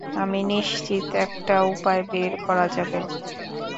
আমি নিশ্চিত একটা উপায় বের করা যাবে।